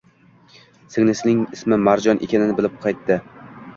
Singilning ismi Marjon ekanini bilib qaytdi